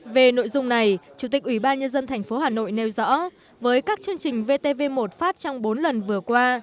về nội dung này chủ tịch ubnd tp hà nội nêu rõ với các chương trình vtv một phát trong bốn lần vừa qua